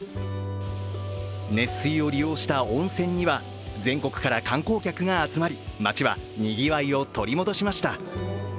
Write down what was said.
熱水を利用した温泉には全国から観光客が集まり町はにぎわいを取り戻しました。